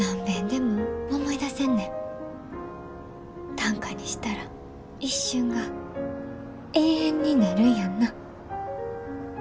短歌にしたら一瞬が永遠になるんやんな？